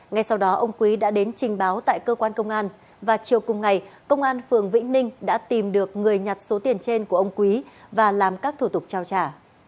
ngay sau đó ông quý đã đến trình báo tại cơ quan công an và chiều cùng ngày công an phường vĩnh ninh đã tìm được người nhặt số tiền trên của ông quý và làm các thủ tục trao trả